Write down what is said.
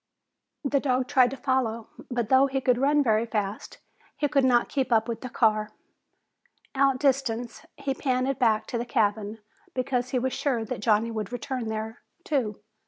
The dog tried to follow, but though he could run very fast, he could not keep up with the car. Outdistanced, he panted back to the cabin because he was sure that Johnny would return there, too.